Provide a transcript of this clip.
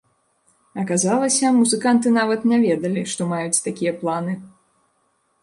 Аказалася, музыканты нават не ведалі, што маюць такія планы.